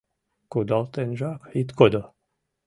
Кудалтенжак ит кодо.